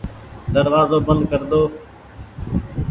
دروآزو بند ڪر دو ۔